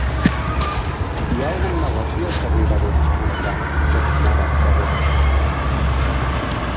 Hi ha algun negoci al carrer Baró d'Esponellà cantonada Baró d'Esponellà?